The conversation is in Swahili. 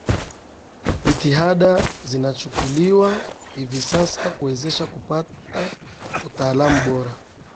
Jitihada zinachukuliwa hivi sasa kuwawezesha kupata utaalamu bora